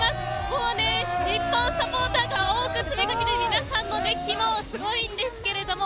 もう日本サポーターが多く駆けつけて皆さんの熱気もすごいんですけれども。